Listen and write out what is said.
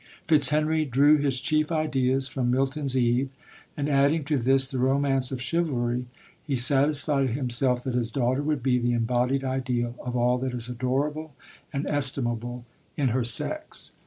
Fitzhenry drew his chief ideas from Milton's Eve, and adding to this the romance of chivalry, he satisfied him self that his daughter would be the embodied ideal of all that is adorable and estimable in her sex.